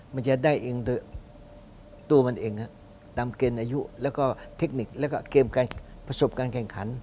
มันจะได้เองโดยตัวมันเองตามเกณฑ์อายุแล้วก็เทคนิคแล้วก็เกมประสบการณ์แข่งขัน